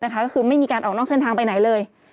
ก็คือไม่มีการออกนอกเส้นทางไปไหนเลย